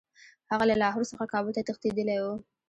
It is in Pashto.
هغه له لاهور څخه کابل ته تښتېتدلی وو.